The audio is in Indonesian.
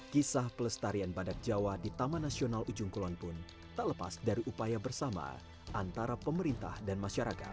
kisah pelestarian badak jawa di taman nasional ujung kulon pun tak lepas dari upaya bersama antara pemerintah dan masyarakat